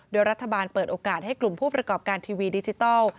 โดยรัฐบาลเปิดโอกาสให้กลุ่มผู้ประกอบการทีวีดิจิทัล